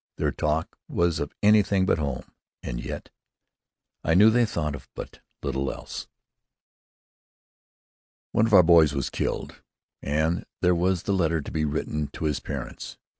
Their talk was of anything but home; and yet, I knew they thought of but little else. One of our boys was killed, and there was the letter to be written to his parents.